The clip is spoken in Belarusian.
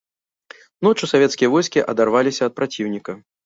Ноччу савецкія войскі адарваліся ад праціўніка.